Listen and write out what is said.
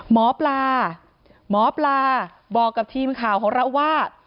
หมอปลาหมอปลาบอกกับทีมข่าวของเราว่า